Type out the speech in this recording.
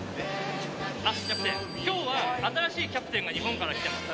今日は新しいキャプテンが日本から来てます